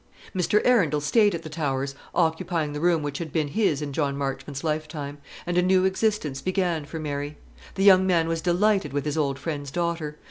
Mr. Arundel stayed at the Towers, occupying the room which had been his in John Marchmont's lifetime; and a new existence began for Mary. The young man was delighted with his old friend's daughter.